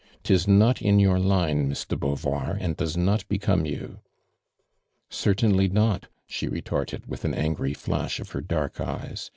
" 'Tis not in your line. Miss de Beauvoir, and does not be come you." "Certainly not," she retorted, with an angry flash of her dark eyes.